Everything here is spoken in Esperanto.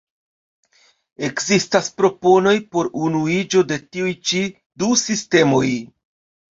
Ekzistas proponoj por unuiĝo de tiuj ĉi du sistemoj.